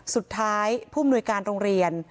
สุดท้ายภูมิหน่วยการโรงเรียน